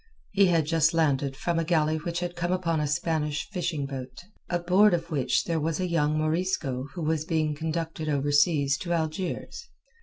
He had just landed from a galley which had come upon a Spanish fishing boat, aboard of which there was a young Morisco who was being conducted over seas to Algiers.